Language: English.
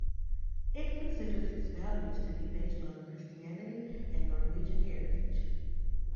It considers its values to be based on Christianity and Norwegian heritage.